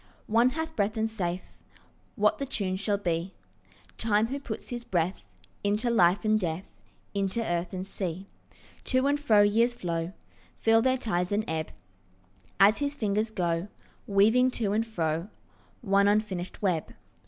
One hath breath and saith What the tune shall be— Time, who puts his breath Into life and death, Into earth and sea. To and fro years flow, Fill their tides and ebb, As his fingers go Weaving to and fro One unfinished web.